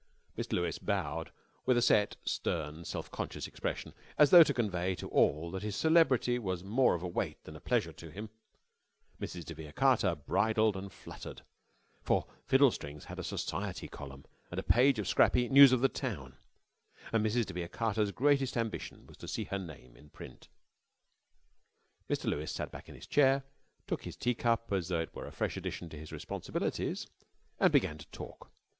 Mr. Lewes bowed with a set, stern, self conscious expression, as though to convey to all that his celebrity was more of a weight than a pleasure to him. Mrs. de Vere Carter bridled and fluttered, for Fiddle Strings had a society column and a page of scrappy "News of the Town," and Mrs. de Vere Carter's greatest ambition was to see her name in print. Mr. Lewes sat back in his chair, took his tea cup as though it were a fresh addition to his responsibilities, and began to talk.